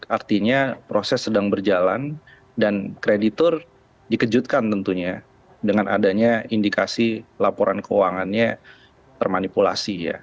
artinya proses sedang berjalan dan kreditur dikejutkan tentunya dengan adanya indikasi laporan keuangannya termanipulasi ya